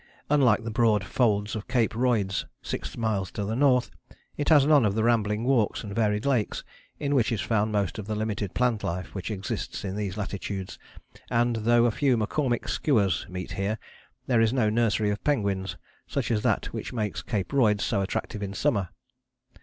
Unlike the broad folds of Cape Royds, six miles to the north, it has none of the rambling walks and varied lakes, in which is found most of the limited plant life which exists in these latitudes, and though a few McCormick skuas meet here, there is no nursery of penguins such as that which makes Cape Royds so attractive in summer.